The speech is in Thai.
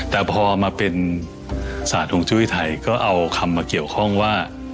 แต่พอมาเป็นศาสตร์ฮวงจุ้ยไทยก็เอาคำมาเกี่ยวข้องว่า